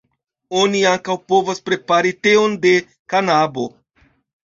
Oni ankaŭ povas prepari teon de kanabo.